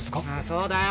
そうだよ